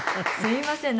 すみません